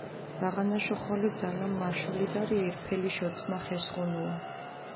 ბაღანაშო ხოლო ძალამ მაშულიდარიე ირფელიშ ოწმახ ესხუნუა.